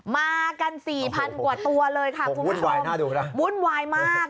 มากัน๔๐๐๐กว่าตัวเลยค่ะวุ่นวายมาก